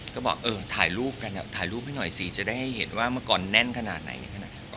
ก็บอกเออถ่ายรูปกันถ่ายรูปให้หน่อยสิจะได้เห็นว่าเมื่อก่อนแน่นขนาดไหนขนาดไหน